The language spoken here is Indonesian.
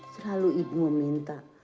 selalu ibu meminta